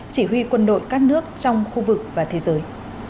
chỉ huy quân đội các nước trong khu vực và thế giới